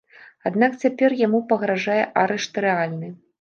Аднак цяпер яму пагражае арышт рэальны.